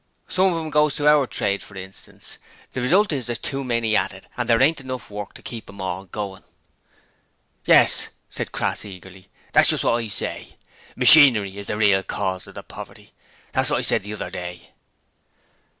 Some of 'em goes to our trade, for instance: the result is there's too many at it, and there ain't enough work to keep 'em all goin'.' 'Yes,' cried Crass, eagerly. 'That's just what I say. Machinery is the real cause of the poverty. That's what I said the other day.'